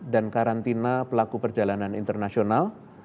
dan karantina pelaku perjalanan internasional